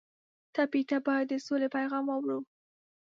ټپي ته باید د سولې پیغام واورو.